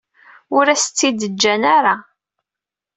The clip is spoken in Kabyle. Ur as-tt-id-ǧǧan ara.